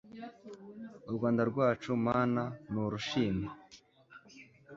u rwanda rwacu mana n'urushime